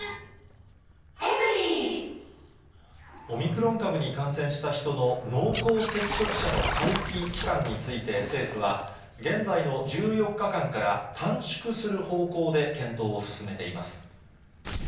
オミクロン株に感染した人の濃厚接触者の待機期間について、政府は現在の１４日間から、短縮する方向で検討を進めています。